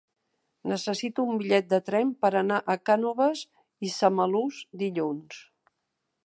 Necessito un bitllet de tren per anar a Cànoves i Samalús dilluns.